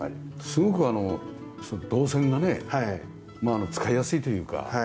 すごくその動線がね使いやすいというか。